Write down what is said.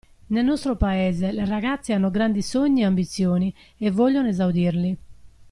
Nel nostro paese, le ragazze hanno grandi sogni e ambizioni, e vogliono esaudirli.